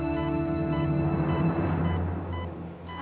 kayaknya dianya sudah adam